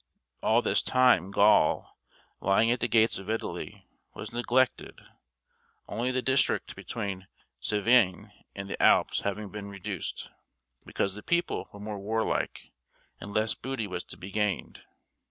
All this time Gaul, lying at the gates of Italy, was neglected (only the district between the Cevennes and the Alps having been reduced), because the people were more warlike, and less booty was to be gained.